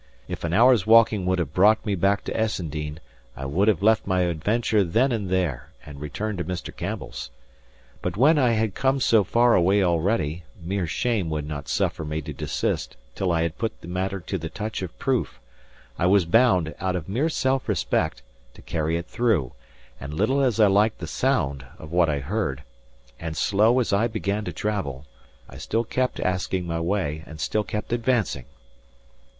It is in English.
If an hour's walking would have brought me back to Essendean, I had left my adventure then and there, and returned to Mr. Campbell's. But when I had come so far a way already, mere shame would not suffer me to desist till I had put the matter to the touch of proof; I was bound, out of mere self respect, to carry it through; and little as I liked the sound of what I heard, and slow as I began to travel, I still kept asking my way and still kept advancing.